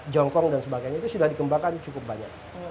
jongkong dan sebagainya itu sudah dikembangkan cukup banyak